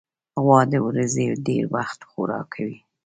غوا د ورځې ډېری وخت خوراک کوي.